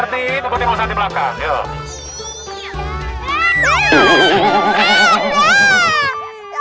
baik baik baik